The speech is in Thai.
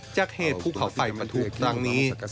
จากเหตุภูเขาไฟประทุกตรงนี้